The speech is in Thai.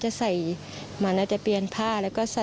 อยู่ดีมาตายแบบเปลือยคาห้องน้ำได้ยังไง